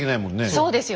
そうですよ。